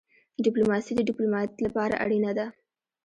ډيپلوماسي د ډيپلومات لپاره اړینه ده.